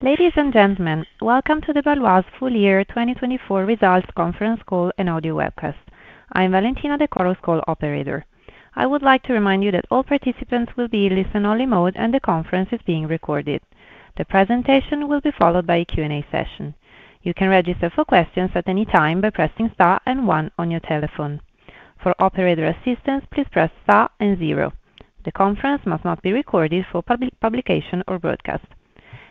Ladies and gentlemen, welcome to the Baloise full year 2024 results conference call and audio webcast. I am Valentina Chorus Call operator. I would like to remind you that all participants will be in listen only mode and the conference is being recorded. The presentation will be followed by a Q&A session. You can register for questions at any time by pressing one on your telephone. For operator assistance, please press zero. The conference must not be recorded for publication or broadcast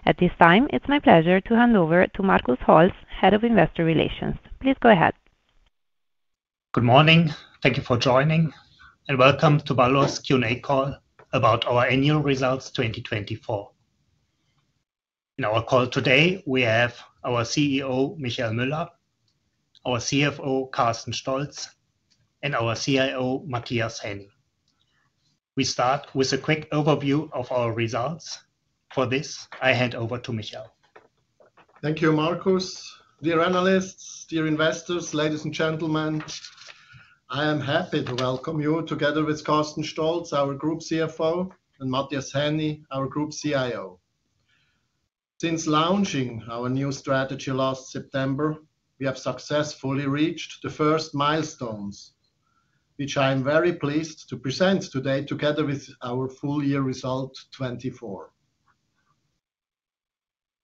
at this time. It's my pleasure to hand over to Markus Holtz, Head of Investor Relations. Please go ahead. Good morning, thank you for joining and welcome to Baloise's Q&A call about our annual results 2024. In our call today we have our CEO Michael Müller, our CFO Carsten Stolz and our CIO Matthias Henny. We start with a quick overview of our results. For this I hand over to Michael. Thank you, Markus. Dear analysts, dear investors, ladies and gentlemen, I am happy to welcome you together with Carsten Stolz, our Group CFO, and Matthias Henny, our Group CIO. Since launching our new strategy last September, we have successfully reached the first milestones, which I am very pleased to present today together with our full year result 2024.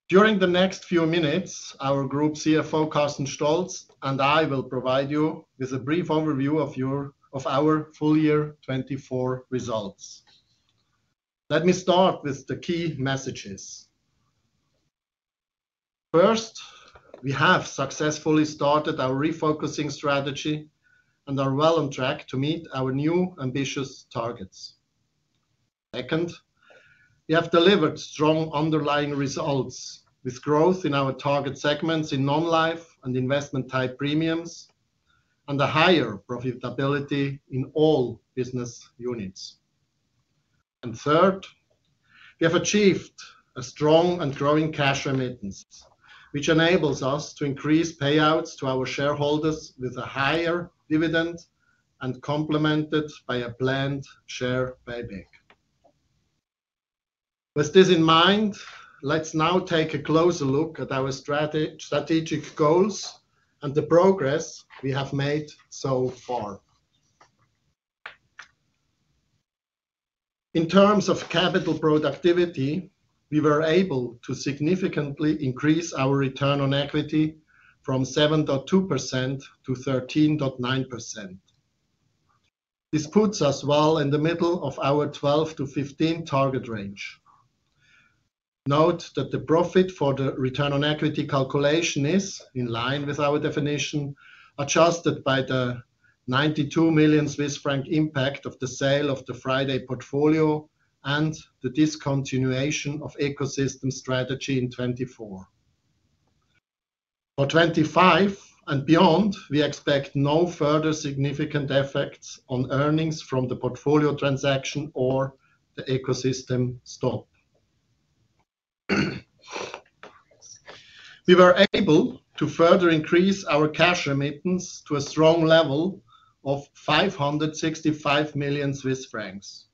During the next few minutes, our Group CFO Carsten Stolz and I will provide you with a brief overview of our full year 2024 results. Let me start with the key messages. First, we have successfully started our refocusing strategy and are well on track to meet our new ambitious targets. Second, we have delivered strong underlying results with growth in our target segments in non-life and investment-type premiums and a higher profitability in all business units. Third, we have achieved a strong and growing cash remittance which enables us to increase payouts to our shareholders with a higher dividend and complemented by a planned share buyback. With this in mind, let's now take a closer look at our strategic goals and the progress we have made so far. In terms of capital productivity, we were able to significantly increase our return on equity from 7.2% to 13.9%. This puts us well in the middle of our 12%-15% target range. Note that the profit for the return on equity calculation is in line with our definition adjusted by the 92 million Swiss franc impact of the sale of the FRIDAY portfolio and the discontinuation of ecosystem strategy in 2024 for 2025 and beyond. We expect no further significant effects on earnings from the portfolio transaction or the ecosystem stop. We were able to further increase our cash remittance to a strong level of 565 million Swiss francs.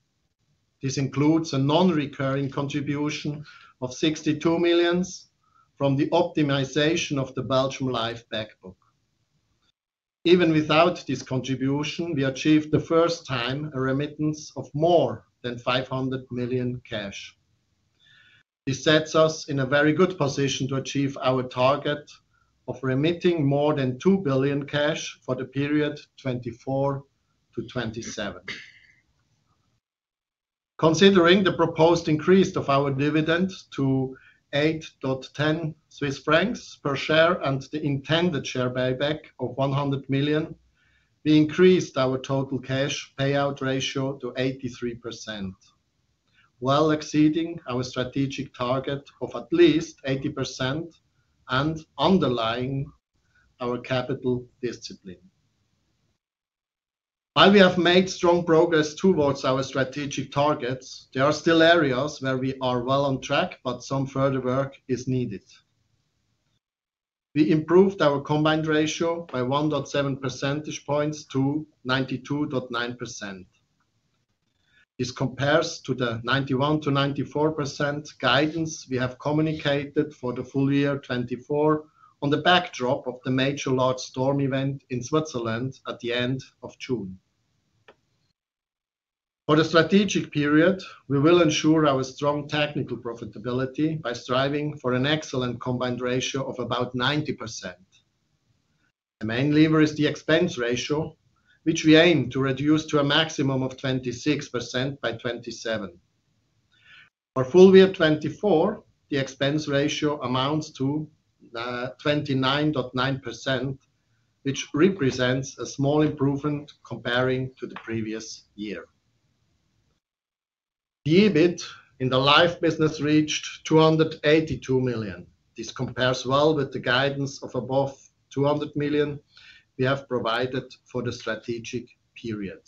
This includes a non-recurring contribution of 62 million from the optimization of the Belgium life back book. Even without this contribution, we achieved for the first time a remittance of more than 500 million cash. This sets us in a very good position to achieve our target of remitting more than 2 billion cash for the period 2024-2027. Considering the proposed increase of our dividend to 8.10 Swiss francs per share and the intended share buyback of 100 million, we increased our total cash payout ratio to 83% while exceeding our strategic target of at least 80% and underlying our capital discipline. While we have made strong progress towards our strategic targets, there are still areas where we are well on track. Some further work is needed. We improved our combined ratio by 1.7 percentage points to 92.9%. This compares to the 91%-94% guidance we have communicated for the full year 2024 on the backdrop of the major large storm event in Switzerland at the end of June. For the strategic period, we will ensure our strong technical profitability by striving for an excellent combined ratio of about 90%. The main lever is the expense ratio which we aim to reduce to a maximum of 26% by 2027. For full year 2024, the expense ratio amounts to 29.9% which represents a small improvement. Comparing to the previous year, the EBIT in the life business reached 282 million. This compares well with the guidance of above 200 million we have provided for the strategic period.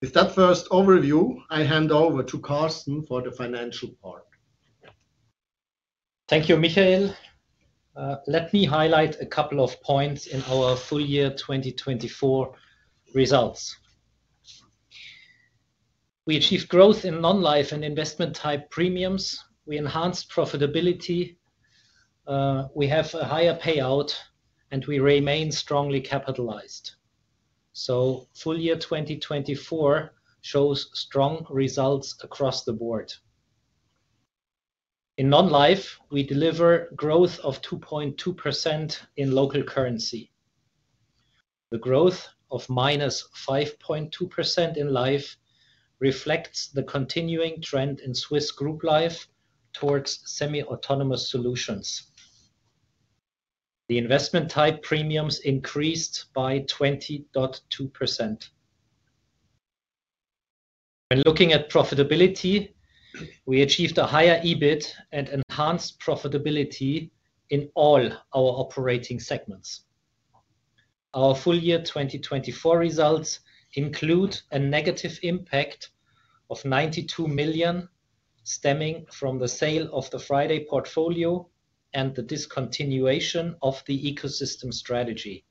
With that first overview, I hand over to Carsten for the financial part. Thank you, Michael. Let me highlight a couple of points. In our full year 2024 results, we achieved growth in non-life and investment-type premiums. We enhanced profitability, we have a higher payout and we remain strongly capitalized. Full year 2024 shows strong results across the board. In non-life, we deliver growth of 2.2% in local currency. The growth of -5.2% in life reflects the continuing trend in Swiss group life towards semi-autonomous solutions. The investment-type premiums increased by 20.2%. When looking at profitability, we achieved a higher EBIT and enhanced profitability in all our operating segments. Our full year 2024 results include a negative impact of 92 million stemming from the sale of the FRIDAY portfolio and the discontinuation of the ecosystem strategy.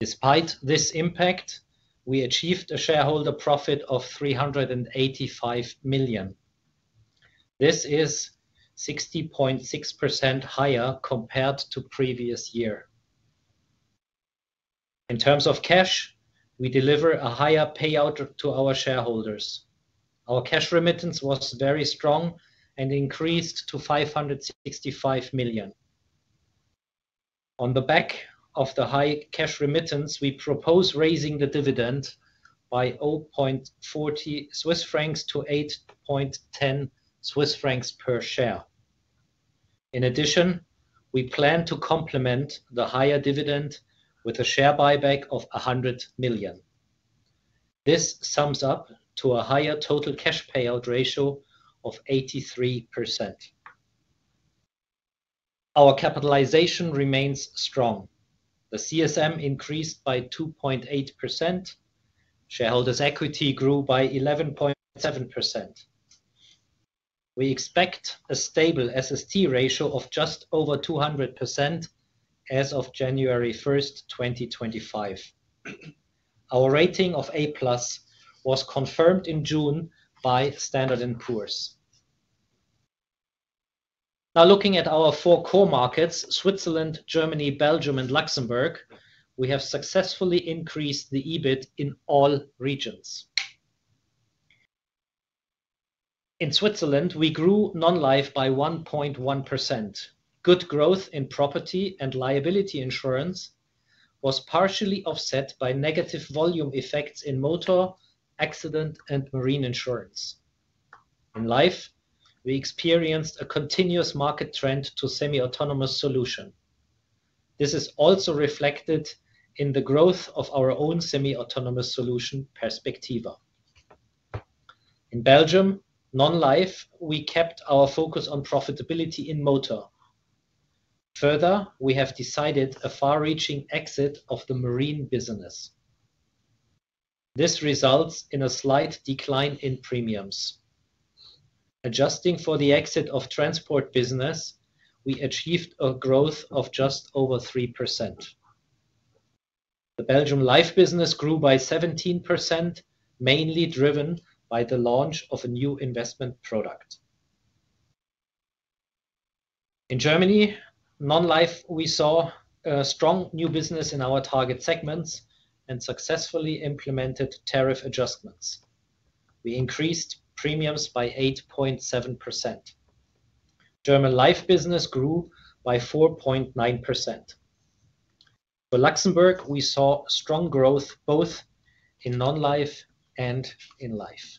Despite this impact, we achieved a shareholder profit of 385 million. This is 60.6% higher compared to previous year. In terms of cash, we deliver a higher payout to our shareholders. Our cash remittance was very strong and increased to 565 million. On the back of the high cash remittance, we propose raising the dividend by 0.40 Swiss francs to 8.10 Swiss francs per share. In addition, we plan to complement the higher dividend with a share buyback of 100 million. This sums up to a higher total cash payout ratio of 83%. Our capitalization remains strong. The CSM increased by 2.8%. Shareholders' equity grew by 11.57%. We expect a stable SST ratio of just over 200% as of January 1st, 2025. Our rating of A was confirmed in June by Standard & Poor's. Now looking at our four core markets Switzerland, Germany, Belgium and Luxembourg, we have successfully increased the EBIT in all regions. In Switzerland we grew non-life by 1.1%. Good growth in property and liability insurance was partially offset by negative volume effects in motor, accident, and marine insurance. In life, we experienced a continuous market trend to semi-autonomous solution. This is also reflected in the growth of our own semi-autonomous solution Perspectiva. In Belgium non-life, we kept our focus on profitability in motor. Further, we have decided a far-reaching exit of the marine business. This results in a slight decline in premiums. Adjusting for the exit of transport business, we achieved a growth of just over 3%. The Belgium life business grew by 17%, mainly driven by the launch of a new investment product. In Germany non-life, we saw strong new business in our target segments and successfully implemented tariff adjustments. We increased premiums by 8.7%. German life business grew by 4.9%. For Luxembourg, we saw strong growth both in non-life and in life.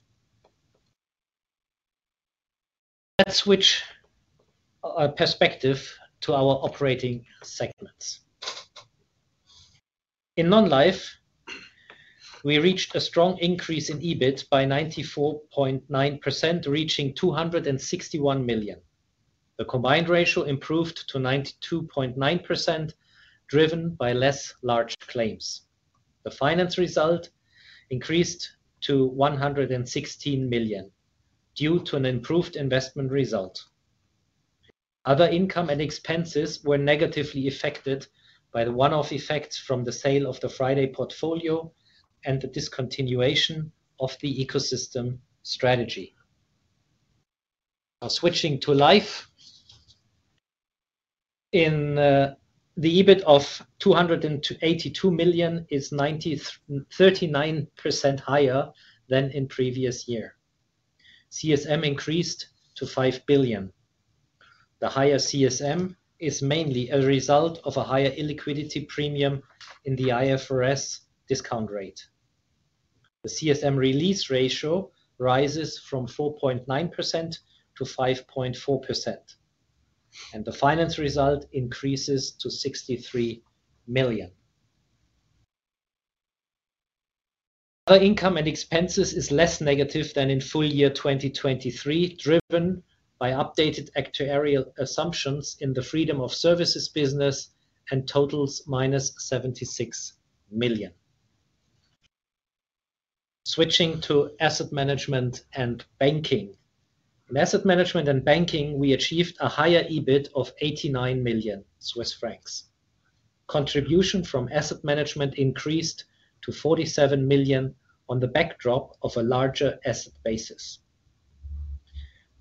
Let's switch perspective to our operating segments. In non-life we reached a strong increase in EBIT by 94.9% reaching 261 million. The combined ratio improved to 92.9% driven by less large claims. The finance result increased to 116 million due to an improved investment result. Other income and expenses were negatively affected by the one-off effects from the sale of the FRIDAY portfolio and the discontinuation of the ecosystem strategy. Switching to life, the EBIT of 282 million is 39% higher than in previous year. CSM increased to 5 billion. The higher CSM is mainly a result of a higher illiquidity premium in the IFRS discount rate. The CSM release ratio rises from 4.9%-5.4% and the finance result increases to 63 million. Other income and expenses is less negative than in full year 2023, driven by updated actuarial assumptions in the Freedom of Services business and totals -76 million. Switching to asset management and banking. In asset management and banking we achieved a higher EBIT of 89 million Swiss francs. Contribution from asset management increased to 47 million. On the backdrop of a larger asset basis,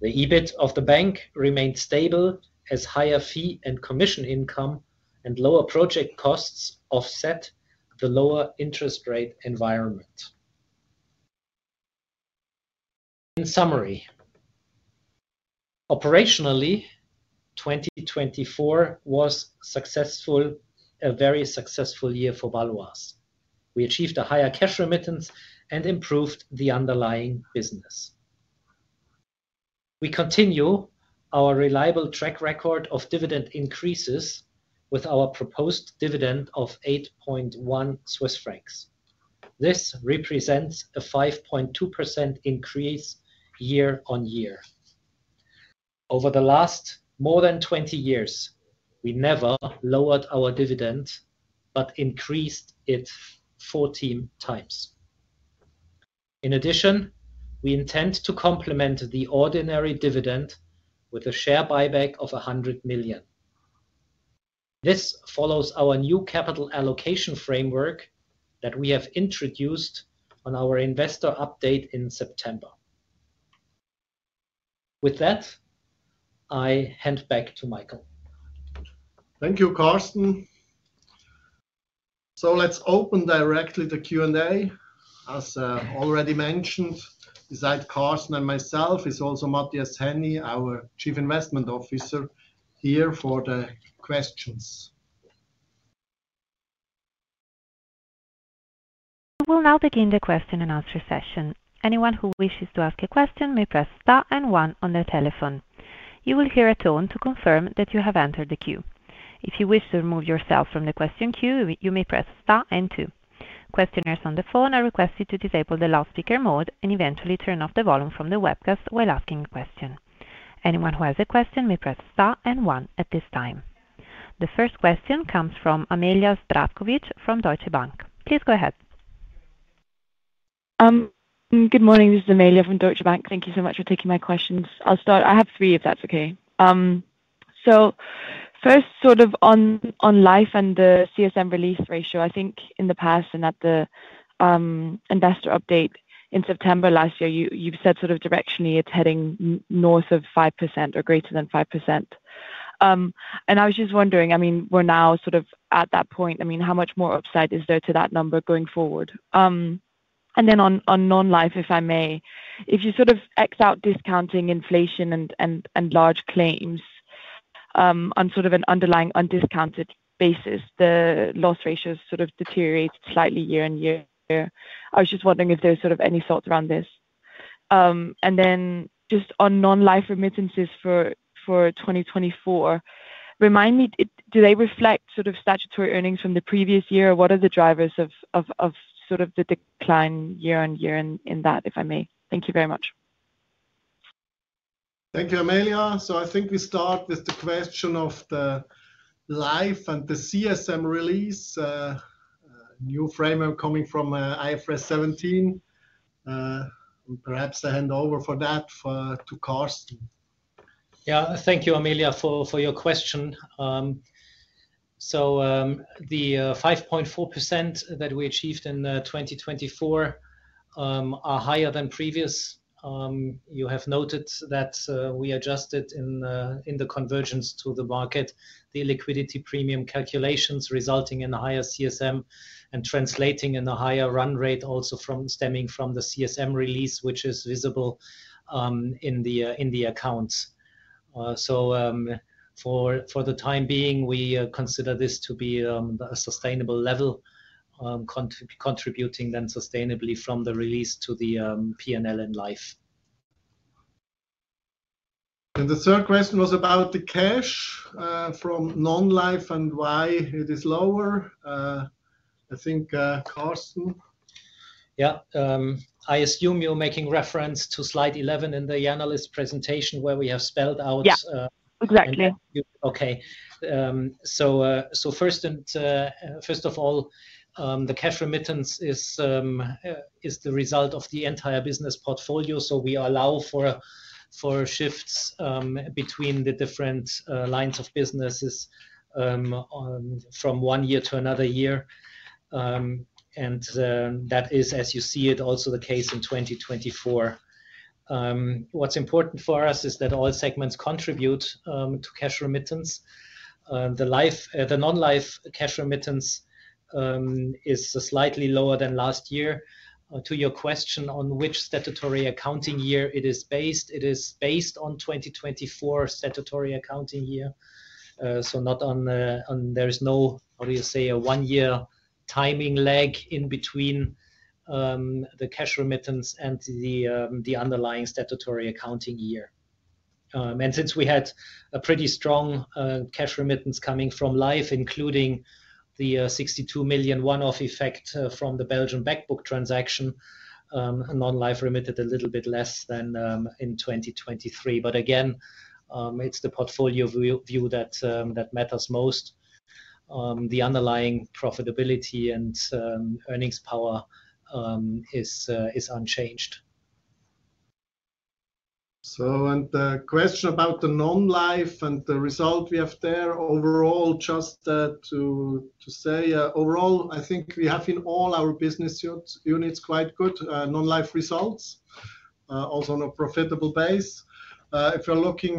the EBIT of the bank remained stable as higher fee and commission income and lower project costs offset the lower interest rate environment. In summary, operationally, 2024 was successful, a very successful year for Baloise. We achieved a higher cash remittance and improved the underlying business. We continue our reliable track record of dividend increases with our proposed dividend of 8.1 Swiss francs. This represents a 5.2% increase year-on-year over the last more than 20 years. We never lowered our dividend, but increased it 14 times. In addition, we intend to complement the ordinary dividend with a share buyback of 100 million. This follows our new capital allocation framework that we have introduced on our Investor update in September. With that I hand back to Michael. Thank you, Carsten. Let's open directly the Q&A. As already mentioned, I said Carsten and myself, and also Matthias Henny, our Chief Investment Officer, are here for the questions. We will now begin the question and answer session. Anyone who wishes to ask a question may press star and one on the telephone. You will hear a tone to confirm that you have entered the queue. If you wish to remove yourself from the question queue, you may press star and two. Questionnaires on the phone are requested to disable the loudspeaker mode and eventually turn off the volume from the webcast while asking a question. Anyone who has a question may press star and one at this time. The first question comes from Amelia Strudwick from Deutsche Bank. Please go ahead. Good morning, this is Amelia from Deutsche Bank. Thank you so much for taking my questions. I'll start. I have three if that's okay. First, sort of on life and the CSM release ratio. I think in the past and at the investor update in September last year, you've said sort of directionally it's heading north of 5% or greater than 5%. I was just wondering, I mean, we're now sort of at that point, I mean, how much more upside is there to that number going forward? On non-life, if I may, if you sort of X out discounting, inflation, and large claims on sort of an underlying undiscounted basis, the loss ratios sort of deteriorated slightly year on year. I was just wondering if there's sort of any thoughts around this. Just on non-life remittances for 2024, remind me, do they reflect sort of statutory earnings from the previous year or what are the drivers of sort of the decline year on year in that, if I may. Thank you very much. Thank you, Amelia. I think we start with the question of the life and the CSM release new framework coming from IFRS 17. Perhaps I hand over for that to Carsten. Thank you, Amelia, for your question. The 5.4% that we achieved in 2024 are higher than previous. You have noted that we adjusted in the convergence to the market the liquidity premium calculations resulting in higher CSM and translating in a higher run rate also stemming from the CSM release which is visible in the accounts. For the time being we consider this to be a sustainable level, contributing then sustainably from the release to the P&L in life. The third question was about the cash from non-life and why it is lower. I think. Carsten. Yeah, I assume you're making reference to Slide 11 in the analyst presentation where we have spelled out exactly. Okay, first of all, the cash remittance is the result of the entire business portfolio. We allow for shifts between the different lines of businesses from one year to another year. That is, as you see it, also the case in 2024. What's important for us is that all segments contribute to cash remittance. The non-life cash remittance is slightly lower than last year. To your question on which statutory accounting year it is based, it is based on the 2024 statutory accounting year. There is no, how do you say, a one year timing lag in between the cash remittance and the underlying statutory accounting year. Since we had a pretty strong cash remittance coming from Life, including the 62 million one-off effect from the Belgian back book transaction, non-life remitted a little bit less than in 2023. Again, it is the portfolio view that matters most. The underlying profitability and earnings power is unchanged. Question about the non-life and the result we have there overall, just to say overall I think we have in all our business units quite good non-life results. Also no profitable base. If you're looking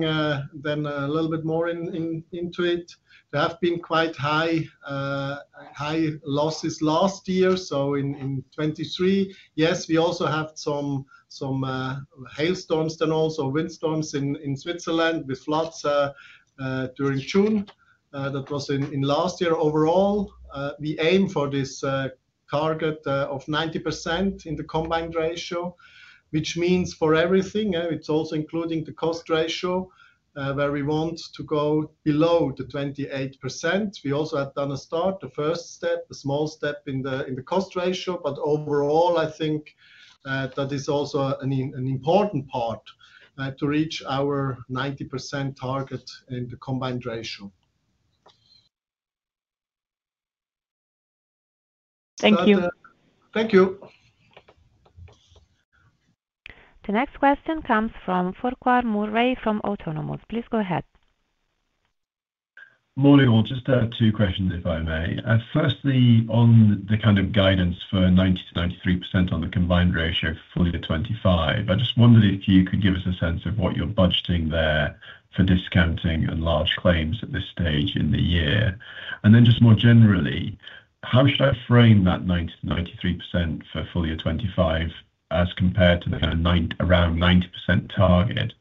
then a little bit more into it, there have been quite high losses last year. In 2023, yes, we also have some hail storms, then also windstorms in Switzerland with floods during June that was in last year. Overall we aim for this target of 90% in the combined ratio, which means for everything it's also including the cost ratio where we want to go below the 28%. We also have done a start, the first step, a small step in the cost ratio. Overall I think that is also an important part to reach our 90% target in combined ratio. Thank you. Thank you. The next question comes from Farquhar Murray from Autonomous. Please go ahead. Morning all. Just two questions if I may. Firstly, on the kind of guidance for 90%-93% on the combined ratio for 2025, I just wondered if you could give us a sense of what you're budgeting there for discounting and large claims at this stage in the year and then just more generally, how should I frame that 90%-93% for full year 2025 as compared to the kind of around 90% target?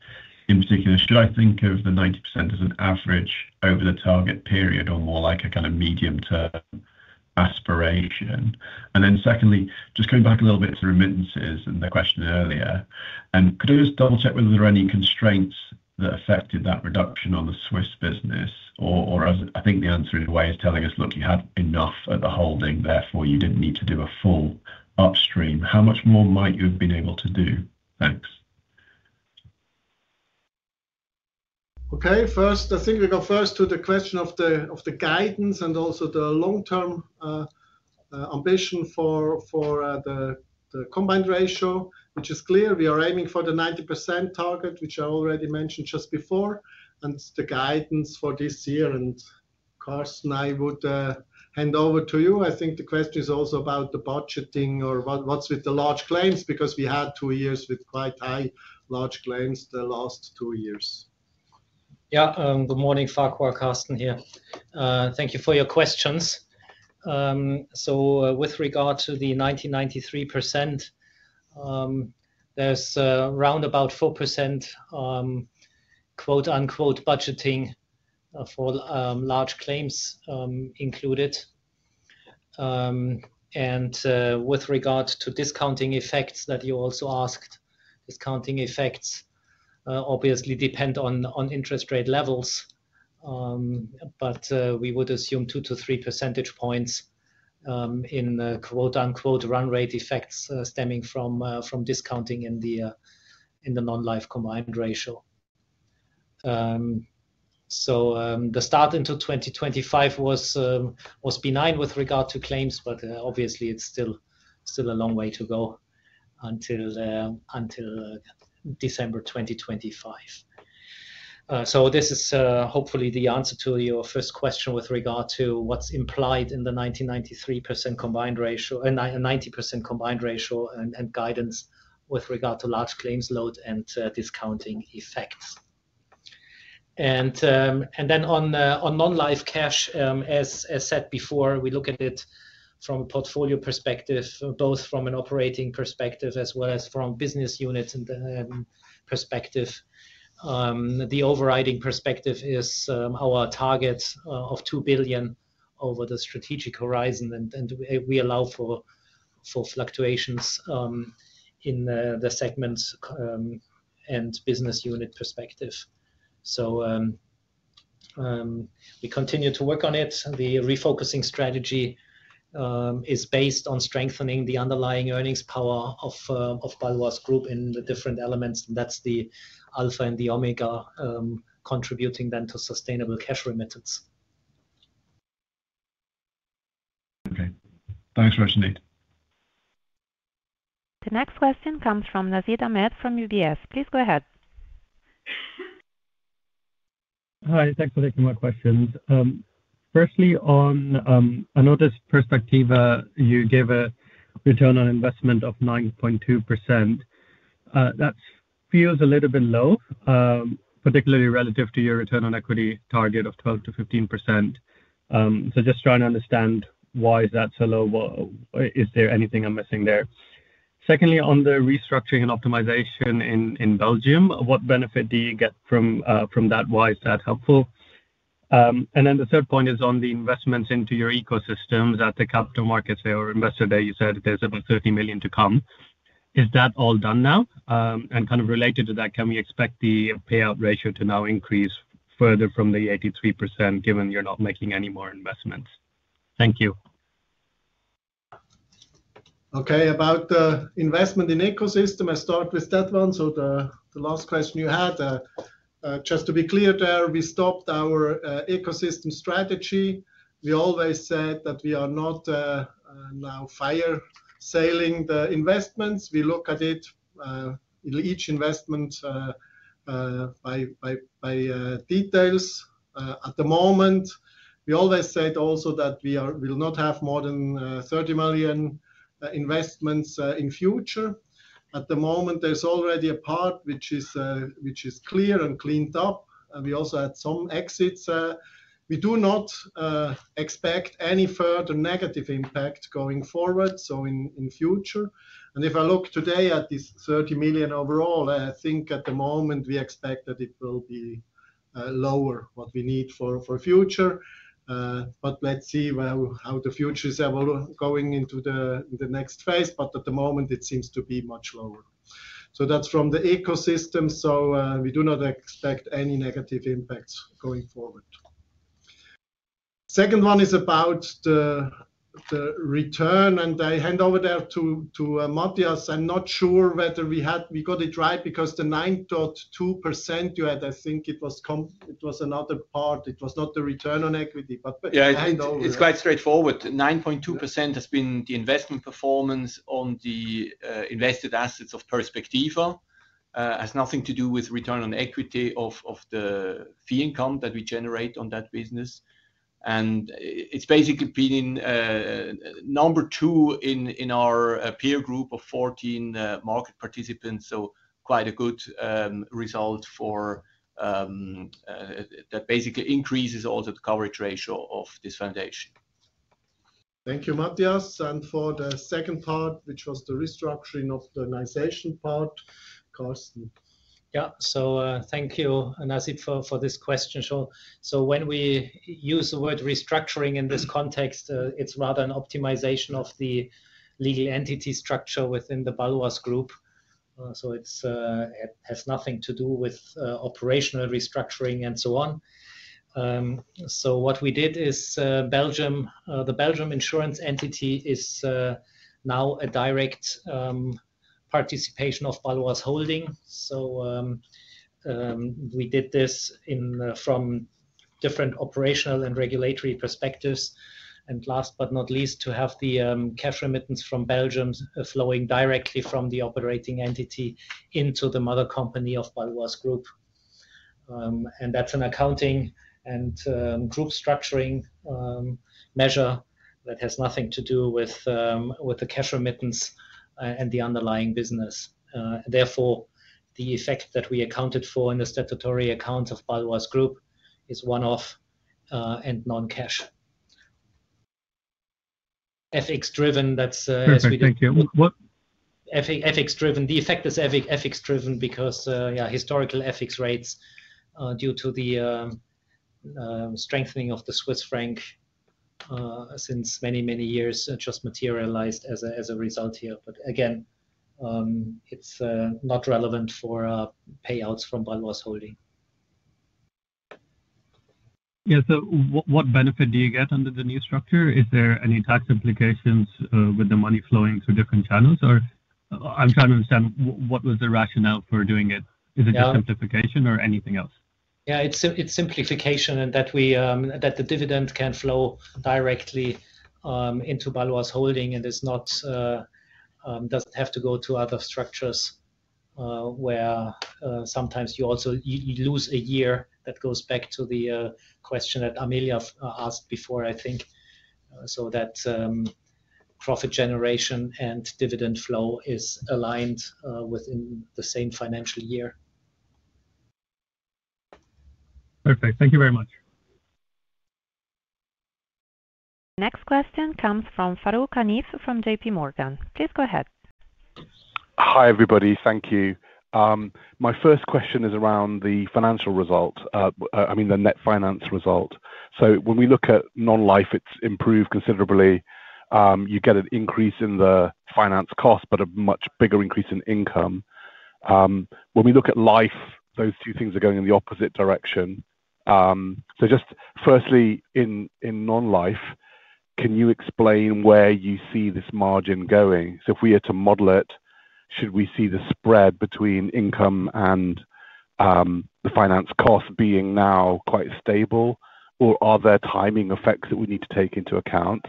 In particular, should I think of the 90% as an average over the target period or more like a kind of medium term aspiration? Secondly, just going back a little bit to remittances and the question earlier, could I just double check whether there are any constraints that affected that reduction on the Swiss business or I think the answer in a way is telling us, look, you had enough at the holding, therefore you didn't need to do a full upstream. How much more might you have been able to do? Thanks. Okay, first, I think we go first to the question of the, of the guidance and also the long term ambition for, for the combined ratio, which is clear, we are aiming for the 90% target which I already mentioned just before, and the guidance for this year. Carsten, I would hand over to you, I think the question is also about the budgeting or what's with the large claims because we had two years with quite high large claims the last two years. Yeah, good morning, Farquhar. Carsten here. Thank you for your questions. With regard to the 19%-93%, there's around about 4% quote unquote budgeting for large claims included. With regard to discounting effects that you also asked, discounting effects obviously depend on interest rate levels, but we would assume 2-3 percentage points in quote unquote run rate effects stemming from discounting in the non-life combined ratio. The start into 2025 was benign with regard to claims, but obviously it's still a long way to go until December 2025. This is hopefully the answer to your first question with regard to what's implied in the 19%-93% combined ratio, 90% combined ratio and guidance with regard to large claims load and discounting effects. On non-life cash, as said before, we look at it from a portfolio perspective, both from an operating perspective as well as from a business units perspective. The overriding perspective is our targets of 2 billion over the strategic horizon. We allow for fluctuations in the segments and business unit perspective. We continue to work on it. The refocusing strategy is based on strengthening the underlying earnings power of Baloise Group in the different elements. That is the alpha and the omega, contributing then to sustainable cash remittance. Okay, thanks very much indeed. The next question comes from Nasib Ahmed from UBS. Please go ahead. Hi, thanks for taking my questions. Firstly, on I noticed Perspectiva, you gave a return on investment of 9.2%. That feels a little bit low, particularly relative to your return on equity target of 12%-15%. Just trying to understand why is that so low? Is there anything I'm missing there? Secondly, on the restructuring and optimization in Belgium, what benefit do you get from that? Why is that helpful? The third point is on the investments into your ecosystems. At the capital markets day or investor day, you said there's about 30 million to come. Is that all done now? Kind of related to that, can we expect the payout ratio to now increase further from the 83% given you're not making any more investments? Thank you. Okay, about the investment in ecosystem, I start with that one. The last question you had, just to be clear there, we stopped our ecosystem strategy. We always said that we are not now fire sailing the investments. We look at each investment by details at the moment. We always said also that we will not have more than 30 million investments in future. At the moment there's already a part which is clear and cleaned up. We also had some exits. We do not expect any further negative impact going forward. In future, and if I look today at this 30 million overall, I think at the moment we expect that it will be lower what we need for future. Let's see how the future is going into the next phase. At the moment it seems to be much lower. That is from the ecosystem, so we do not expect any negative impacts going forward. The second one is about the return and I hand over there to Matthias. I am not sure whether we got it right, because the 9.2% you had, I think it was another part. It was not the return on equity, but. It is quite straightforward. 9.2% has been the investment performance on the invested assets of Perspectiva. It has nothing to do with return on equity or the fee income that we generate on that business. It has basically been number two in our peer group of 14 market participants. Quite a good result that basically. Increases all the coverage ratio of this foundation. Thank you, Matthias. For the second part, which was the restructuring of the organization part. Yeah, thank you, Nasib, for this question. When we use the word restructuring in this context, it's rather an optimization of the legal entity structure within the Baloise Group. It has nothing to do with operational restructuring and so on. What we did is Belgium, the Belgium insurance entity is now a direct participation of Baloise Holding. We did this from different operational and regulatory perspectives. Last but not least, to have the cash remittance from Belgium flowing directly from the operating entity into the mother company of Baloise Group. That's an accounting and group structuring measure that has nothing to do with the cash remittance and the underlying business. Therefore, the effect that we accounted for in the statutory accounts of Baloise Group is one-off and non-cash ethics driven. That's perfect. Thank you. Ethics driven. The effect is ethics driven because historical ethics rates due to the strengthening of the Swiss franc since many, many years just materialized as a result here. Again, it's not relevant for payouts from Baloise Holding. Yeah. What benefit do you get under the new structure? Is there any tax implications with the money flowing through different channels? I'm trying to understand what was the rationale for doing it. Is it just simplification or anything else? Yeah, it's simplification. That the dividend can flow directly into Bâloise Holding and doesn't have to go to other structures where sometimes you also lose a year. That goes back to the question that Amelia asked before. I think so that profit generation and dividend flow is aligned within the same financial year. Okay, thank you very much. Next question comes from Farooq Hanif from JPMorgan. Please go ahead. Hi everybody. Thank you. My first question is around the financial result. I mean the net finance result. When we look at non-life, it's improved considerably. You get an increase in the finance cost, but a much bigger increase in income. When we look at life, those two things are going in the opposite direction. Just firstly, in non-life, can you explain where you see this margin going? If we are to model it, should we see the spread between income and the finance costs being now quite stable or are there timing effects that we need to take into account?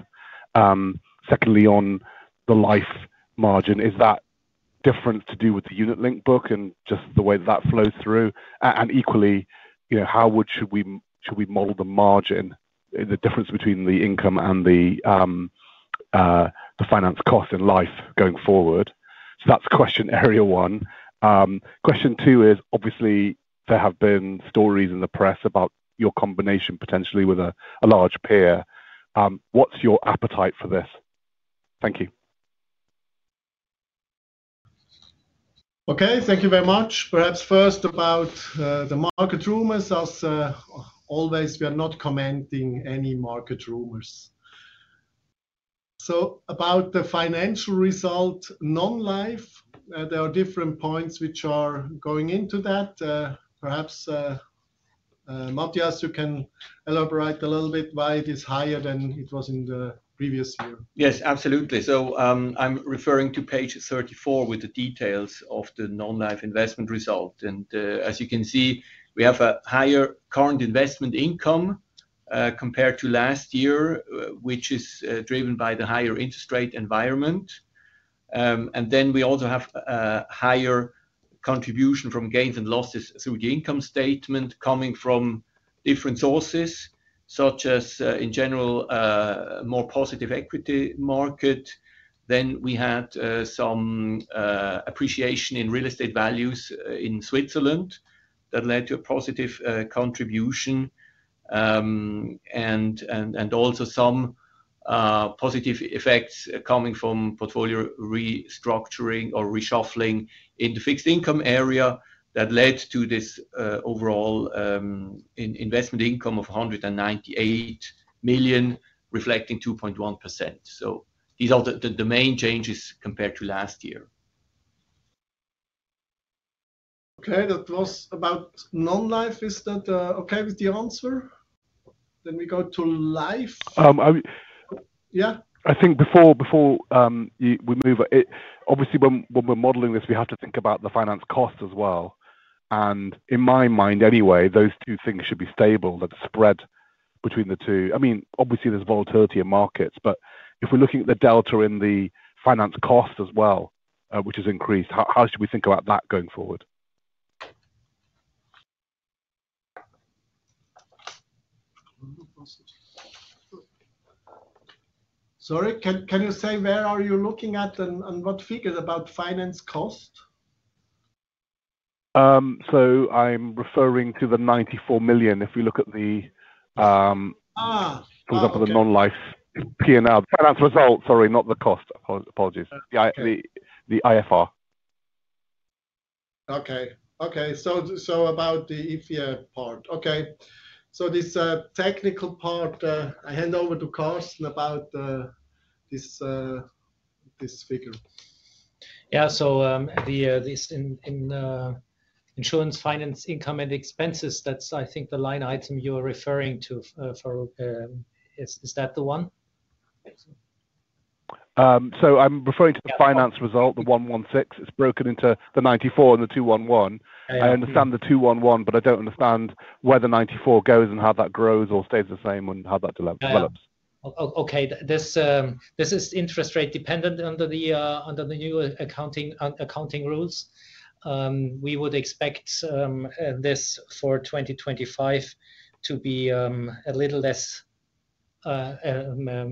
Secondly, on the life margin, is that different to do with the unit link book and just the way that flows through? Equally, how should we model the margin, the difference between the income and the finance cost in life going forward? That is question area one. Question two is obviously there have been stories in the press about your combination potentially with a large peer. What is your appetite for this? Thank you. Okay, thank you very much. Perhaps first about the market rumors. As always we are not commenting any market rumors. About the financial result, non-life, there are different points which are going into that. Perhaps Matthias, you can elaborate a little bit why it is higher than it was in the previous year. Yes, absolutely. I'm referring to page 34 with. The details of the non-life investment result. As you can see, we have a higher current investment income compared to last year, which is driven by the higher interest rate environment. We also have higher contribution from gains and losses through the income statement coming from different sources, such as in general more positive equity market. We had some appreciation in real estate values in Switzerland that led to a positive contribution are also some positive effects coming from portfolio restructuring or reshuffling in the fixed income area that led to this overall investment income of 198 million reflecting 2.1%. These are the main changes compared to last year. Okay, that was about non-life. Is that okay with the answer? We go to life. Yeah, I think before we move, obviously when we're modeling this, we have to think about the finance cost as well. In my mind anyway, those two things should be stable, that spread between the two. I mean obviously there's volatility in markets. If we're looking at the delta in the finance cost as well, which has increased, how should we think about that going forward? Sorry, can you say where are you looking at and what figures about finance cost? I'm referring to the 94 million. If we look at the non-life PNL finance result. Sorry, not the cost, apologies, the IFR. Okay, okay. About the IFEA part. Okay, this technical part I hand over to Carsten about this figure. Yeah, so this insurance finance income and expenses, that's I think the line item you are referring to. Is that the one. I'm referring to the finance result, the 116, it's broken into the 94 and the 211. I understand the 211, but I don't understand where the 94 goes and how that grows or stays the same and how that develops. Okay. This is interest rate dependent. Under the new accounting rules we would expect this for 2025 to be a little less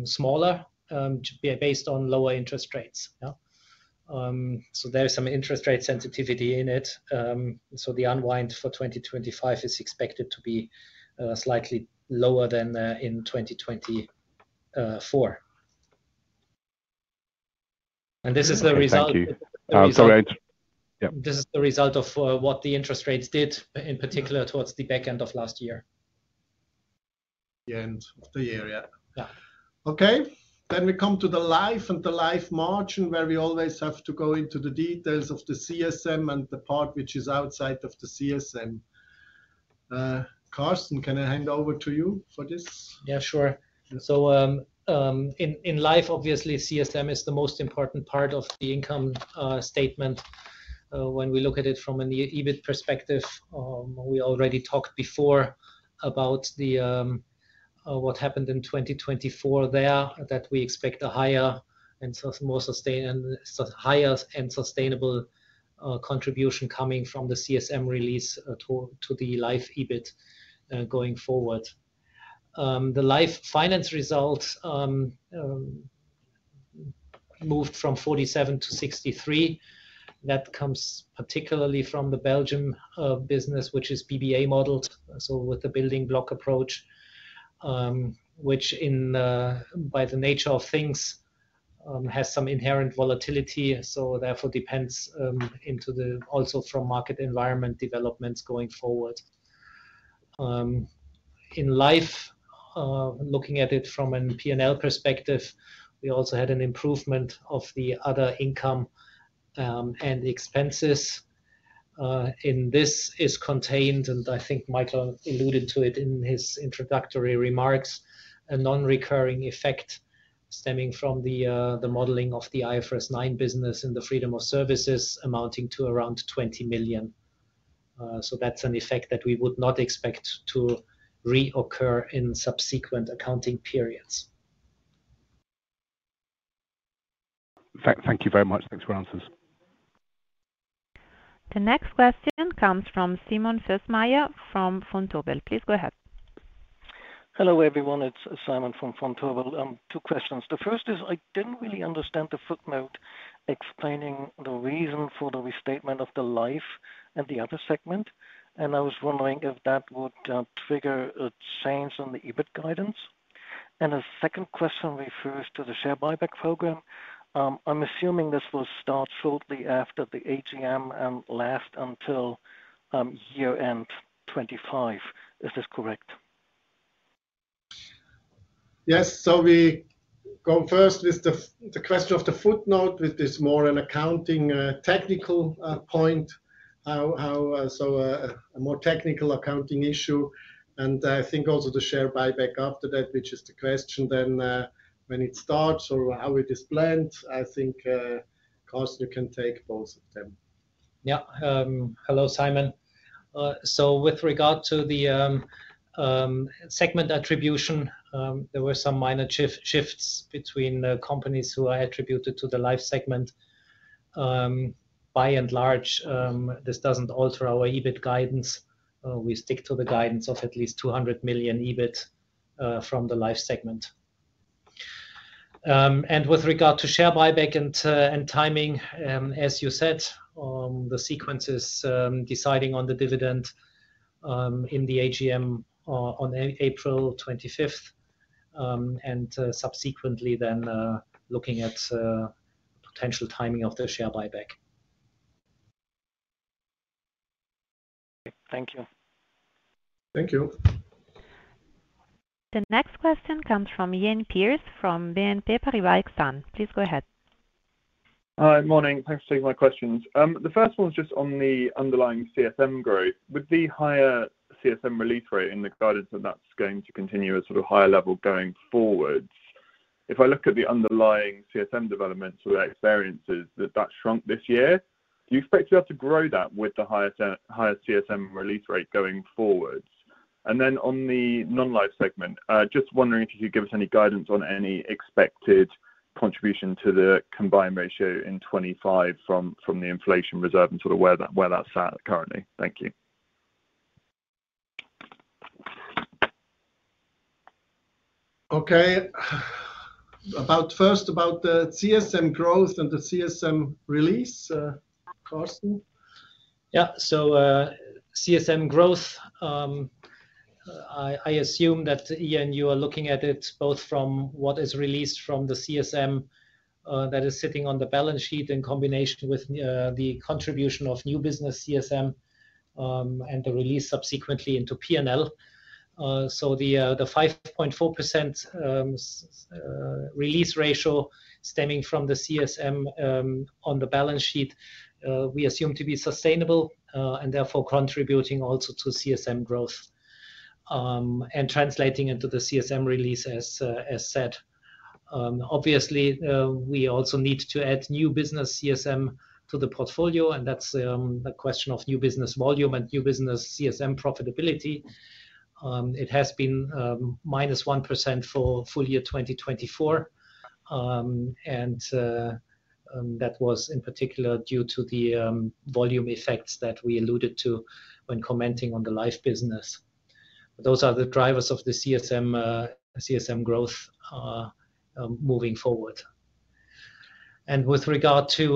smaller based on lower interest rates. There is some interest rate sensitivity in it. The unwind for 2025 is expected to be slightly lower than in 2024. This is the reason. Thank you. This is the result of what the interest rates did in particular towards the back end of last year. The end of the year. Okay. We come to the life and the life margin where we always have to go into the details of the CSM and the part which is outside of the CSM. Carsten, can I hand over to you for this? Yeah, sure. In life, obviously CSM is the most important part of the income statement. When we look at it from an EBIT perspective, we already talked before about what happened in 2024 there, that we expect a higher and more sustained, higher and sustainable contribution coming from the CSM release to the Life EBIT going forward. The life finance result moved from 47-63. That comes particularly from the Belgium business, which is BBA modeled. With the building block approach, which by the nature of things has some inherent volatility, it therefore depends also on market environment developments going forward in life. Looking at it from a PL perspective, we also had an improvement of the other income and expenses and this is contained, and I think Michael alluded to it in his introductory remarks, non-recurring effect stemming from the modeling of the IFRS 9 business in the freedom of services amounting to around 20 million. That is an effect that we would not expect to reoccur in subsequent accounting periods. Thank you very much. Thanks for your answers. The next question comes from Simon Fössmeier from Vontobel. Please go ahead. Hello everyone, it's Simon from Vontobel. Two questions. The first is I didn't really understand the footnote explaining the reason for the restatement of the life and the other segment and I was wondering if that would trigger a change on the EBIT guidance. The second question refers to the share buyback program. I'm assuming this will start shortly after the AGM and last until year end 2025. Is this correct? Yes. We go first with the question of the footnote, which is more an accounting technical point, so a more technical accounting issue, and I think also the share buyback after that, which is the question then when it starts or how it is planned. I think Carsten, you can take both of them. Yeah. Hello Simon. With regard to the segment attribution, there were some minor shifts between companies who are attributed to the life segment. By and large this does not alter our EBIT guidance. We stick to the guidance of at least 200 million EBIT from the life segment. With regard to share buyback and timing, as you said, the sequence is deciding on the dividend in the AGM on April 25 and subsequently then looking at potential timing of the share buyback. Thank you. Thank you. The next question comes from Iain Pearce from BNP Paribas. Please go ahead. Hi. Morning. Thanks for taking my questions. The first one is just on the underlying CSM growth with the higher CSM release rate in the guidance that that's going to continue a sort of higher level going forwards. If I look at the underlying CSM development experiences that that shrunk this year, do you expect to have to grow that with the higher CSM release rate going forwards? On the non-life segment, just wondering if you could give us any guidance on any expected contribution to the combined ratio in 2025 from the inflation reserve and sort of where that's at currently. Thank you. Okay, first about the CSM growth and the CSM release. Yeah. CSM growth, I assume that Ian, you are looking at it both from what is released from the CSM that is sitting on the balance sheet in combination with the contribution of new business CSM and the release subsequently into P&L. The 5.4% release ratio C stemming from the CSM on the balance sheet we assume to be sustainable and therefore contributing also to CSM growth and translating into the CSM release. As said, obviously we also need to add new business CSM to the portfolio and that's the question of new business volume and new business CSM profitability. It has been minus 1% for full year 2024 and that was in particular due to the volume effects that we alluded to when commenting on the life business. Those are the drivers of the CSM growth moving forward. With regard to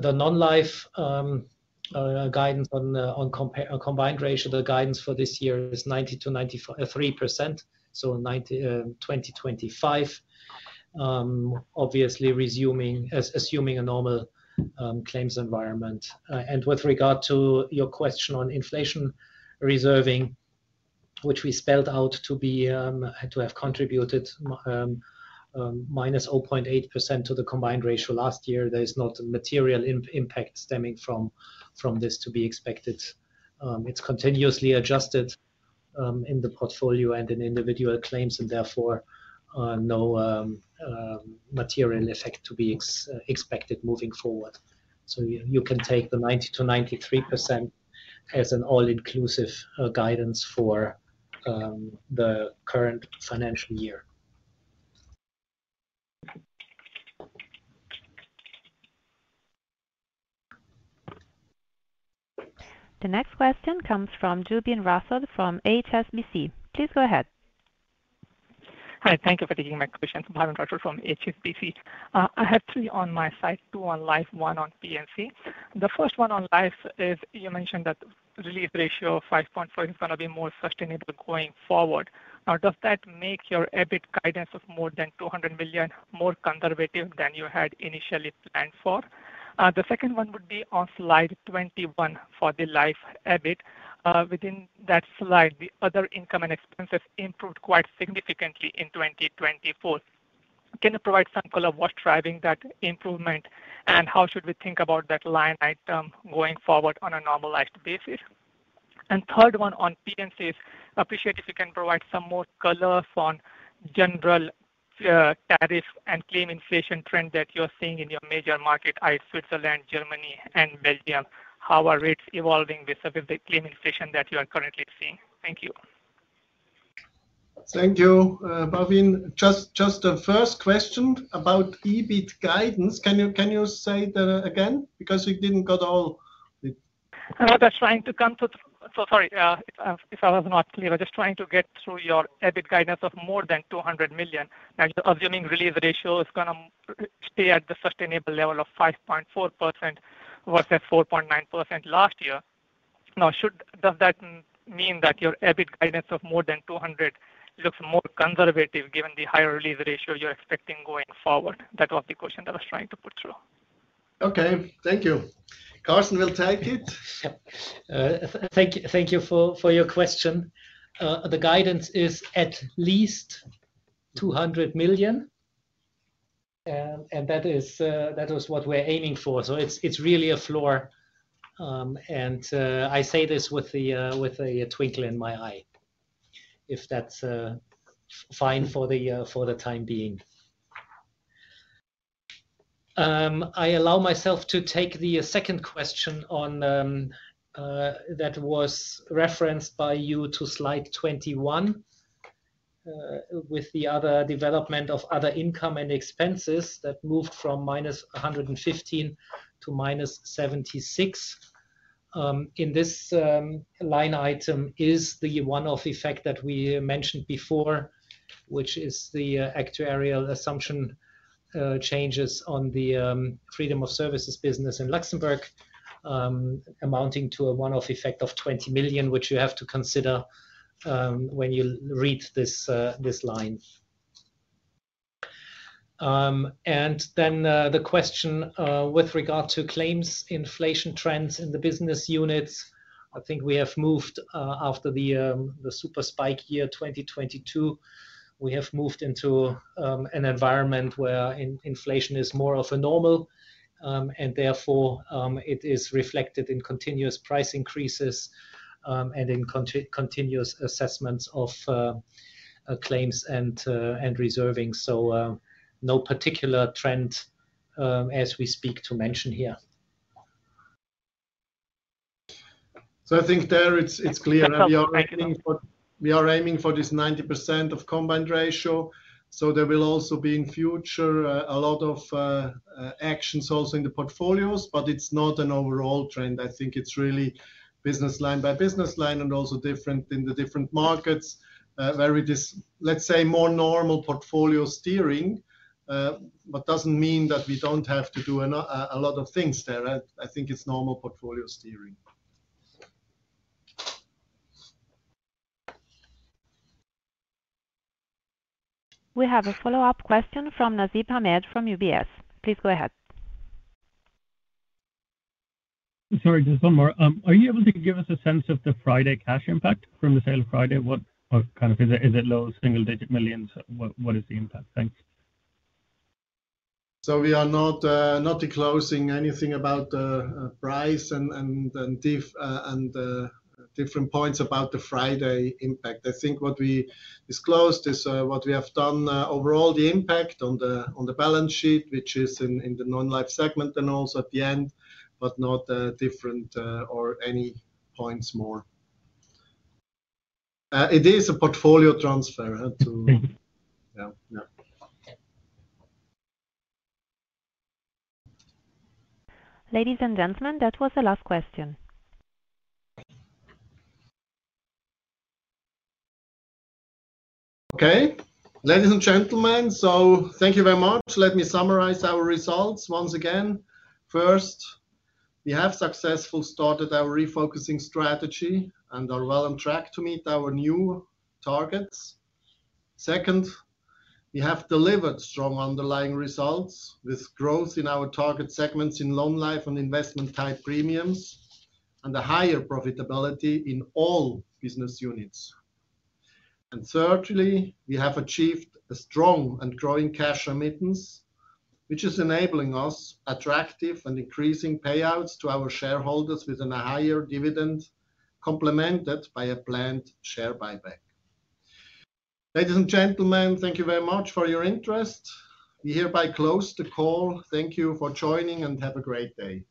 the non-life guidance on combined ratio, the guidance for this year is 90%-93%. For 2025, obviously assuming a normal claims environment, and with regard to your question on inflation reserving, which we spelled out to have contributed -0.8% to the combined ratio last year, there is not a material impact stemming from this to be expected. It is continuously adjusted in the portfolio and in individual claims, and therefore no material effect is to be expected moving forward. You can take the 90%-93% as an all-inclusive guidance for the current financial year. The next question comes from Bhavin Rashid from HSBC. Please go ahead. Hi, thank you for taking my question. Bhavin Rashid from HSBC. I have three on my side, two on life, one on P&C. The first one on life is you mentioned that relief ratio of 5.4 is going to be more sustainable going forward. Now does that make your EBIT guidance more than 200 million more conservative than you had initially planned for? The second one would be on Slide 21 for the life habit. Within that slide, the other income and expenses improved quite significantly in 2024. Can you provide some color what's driving that improvement and how should we think about that line item going forward on a normalized basis? Third one on P&Cs. Appreciate if you can provide some more color on general tariff and claim inflation trend that you're seeing in your major market, Switzerland, Germany and Belgium. How are rates evolving with the claim inflation that you are currently seeing? Thank you. Thank you. Bhavin, just the first question about EBIT guidance. Can you say that again? Because it didn't go all. Sorry if I was not clear. Just trying to get through your EBIT guidance of more than 200 million and assuming release ratio is going to stay at the sustainable level of 5.4% versus 4.9% last year. Now does that mean that your EBIT guidance of more than 200 million looks more conservative given the higher release ratio you're expecting going forward? That was the question that I was trying to put. Okay, thank you. Carsten will take it. Thank you. Thank you for your question. The guidance is at least 200 million and that is what we're aiming for. It is really a floor. I say this with a twinkle in my eye. If that's fine for the year for the time being, I allow myself to take the second question that was referenced by you to Slide 21 with the other development of other income and expenses that moved from -115 million to -76 million. In this line item is the one-off effect that we mentioned before, which is the actuarial assumption changes on the freedom of services business in Luxembourg amounting to a one-off effect of 20 million, which you have to consider when you read this line. The question with regard to claims inflation trends in the business units, I think we have moved after the Super Spike year 2022, we have moved into an environment where inflation is more of a normal and therefore it is reflected in continuous price increases and in continuous assessments of claims and reserving. No particular trend as we speak to mention here. I think there it's clear we are aiming for this 90% combined ratio. There will also be in future a lot of actions also in the portfolios, but it's not an overall trend. I think it's really business line by business line and also different in the different markets where it is, let's say, more normal portfolio steering, but it doesn't mean that we don't have to do a lot of things there. I think it's normal portfolio steering. We have a follow up question from Nasib Ahmed from UBS. Please go ahead. Sorry, just one more. Are you able to give us a sense of the FRIDAY cash impact from the sale of FRIDAY? What kind of is it low single digit millions. What is the impact? Thanks. We are not closing anything about price and different points about the FRIDAY impact. I think what we disclosed is what we have done overall. The impact on the balance sheet, which is in the non-life segment and also at the end, but not different or any points more. It is a portfolio transfer. Ladies and gentlemen, that was the last question. Okay, ladies and gentlemen, thank you very much. Let me summarize our results once again. First, we have successfully started our refocusing strategy and are well on track to meet our new targets. Second, we have delivered strong underlying results with good growth in our target segments in non-life and investment type premiums and the higher profitability in all business units. Thirdly, we have achieved a strong and growing cash remittance which is enabling us attractive and increasing payouts to our shareholders with a higher dividend complemented by a planned share buyback. Ladies and gentlemen, thank you very much for your interest. We hereby close the call. Thank you for joining and have a great day.